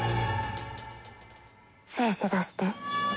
精子出して。